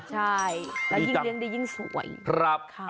ใช่แล้วยิ่งเลี้ยงได้ยิ่งสวย